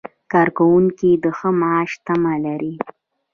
کارکوونکي د ښه معاش تمه لري.